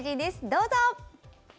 どうぞ。